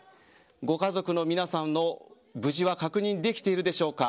ご家族の皆さんの無事は確認できているでしょうか。